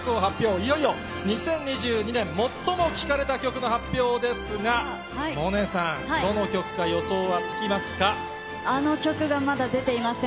いよいよ２０２２年、もっとも聴かれた曲の発表ですが、萌音さん、あの曲がまだ出ていません。